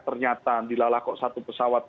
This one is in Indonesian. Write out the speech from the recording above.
ternyata dilalakok satu pesawat